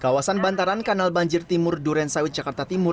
kawasan bantaran kanal banjir timur durensawit jakarta timur